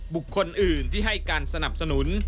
บุคคลอื่นที่ให้การสนับสนุน